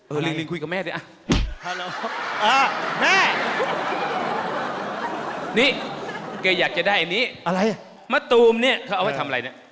ลิงคุยกับแม่สิอ่ะแม่นี่แกอยากจะได้อันนี้อะไรมะตูมเนี่ยเขาเอาไว้ทำอะไรเนี่ย